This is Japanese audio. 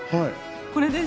これです。